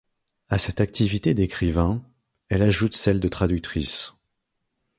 À cette activité d’écrivain, elle ajoute celle de traductrice.